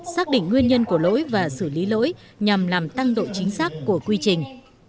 xác định nguyên nhân của lỗi và xử lý lỗi nhằm làm tăng độ chính xác của quy trình